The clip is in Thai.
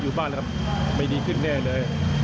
อยู่บ้านไม่ดีขึ้นแน่เลย